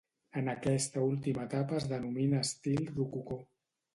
En aquesta última etapa es denomina estil rococó.